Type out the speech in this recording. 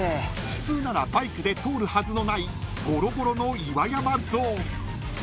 ［普通ならバイクで通るはずのないごろごろの岩山ゾーン］